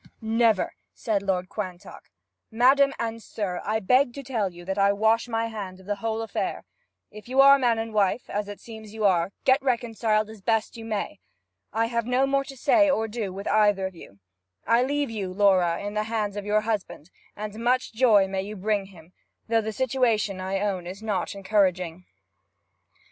never!' said Lord Quantock. 'Madam, and sir, I beg to tell you that I wash my hands of the whole affair! If you are man and wife, as it seems you are, get reconciled as best you may. I have no more to say or do with either of you. I leave you, Laura, in the hands of your husband, and much joy may you bring him; though the situation, I own, is not encouraging.'